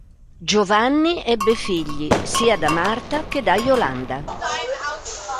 Giovanni ebbe figli sia da Marta che da Iolanda.